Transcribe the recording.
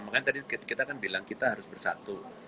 makanya tadi kita kan bilang kita harus bersatu